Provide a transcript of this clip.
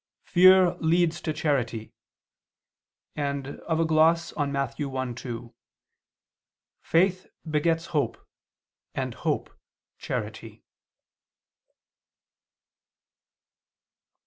"Fear leads to charity," and of a gloss on Matt. 1:2: "Faith begets hope, and hope charity."